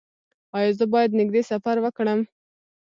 ایا زه باید نږدې سفر وکړم؟